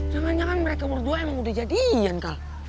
jangan jangan mereka berdua emang udah jadian kan